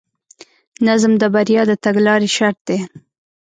نظم د بریا د تګلارې شرط دی.